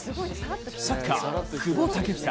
サッカー・久保建英